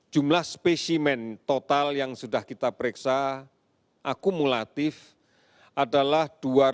jumlah spesimen total yang sudah kita periksa akumulatif adalah